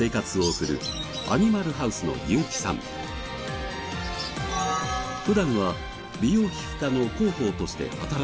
普段は美容皮膚科の広報として働いているのですが。